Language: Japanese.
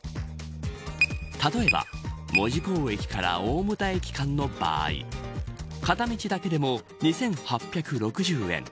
例えば、門司港駅から大牟田駅間の場合片道だけでも２８６０円。